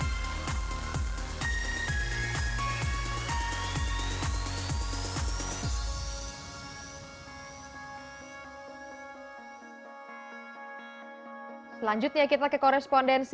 selanjutnya kita ke korespondensi